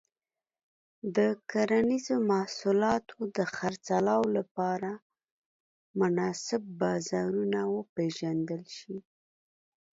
د کرنيزو محصولاتو د خرڅلاو لپاره مناسب بازارونه وپیژندل شي.